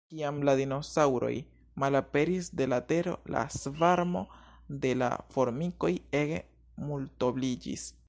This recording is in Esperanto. Kiam la dinosaŭroj malaperis de la tero, la svarmo de la formikoj ege multobliĝis.